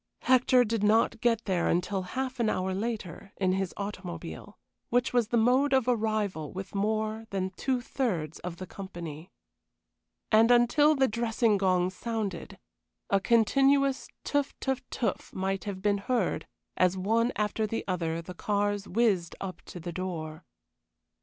Hector did not get there until half an hour later, in his automobile, which was the mode of arrival with more than two thirds of the company. And until the dressing gong sounded, a continuous teuf teuf teuf might have been heard as, one after another, the cars whizzed up to the door.